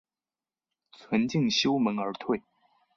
存敬修盟而退。